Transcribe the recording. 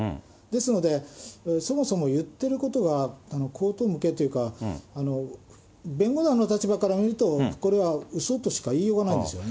ですので、そもそも言ってることが荒唐無けいというか、弁護団の立場から見ると、これはうそとしか言いようがないんですよ。